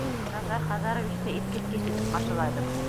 Назар Хазаровичты иҫ киткес итеп ҡаршылайбыҙ!